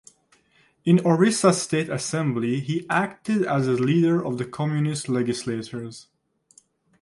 In Orissa State Assembly he acted as the leader of Communist legislators.